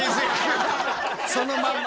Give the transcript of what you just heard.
そのまんま。